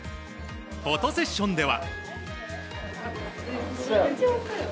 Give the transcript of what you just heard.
フォトセッションでは。